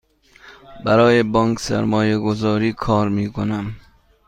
برای بانک سرمایه گذاری کار می کنم.